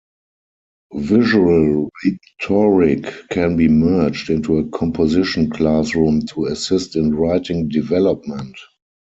Visual rhetoric can be merged into a composition classroom to assist in writing development.